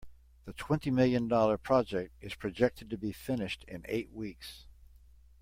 The twenty million dollar project is projected to be finished in eight weeks.